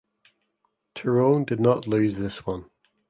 Tyrone did not lose this one.